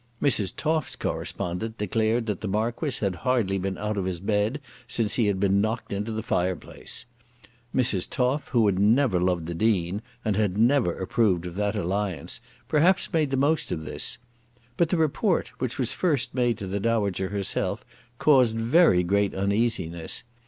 Mrs. Toff's correspondent declared that the Marquis had hardly been out of his bed since he had been knocked into the fireplace. Mrs. Toff, who had never loved the Dean and had never approved of that alliance, perhaps made the most of this. But the report, which was first made to the Dowager herself, caused very great uneasiness.